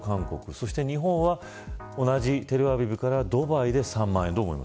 そして日本は同じテルアビブからドバイまでで３万円。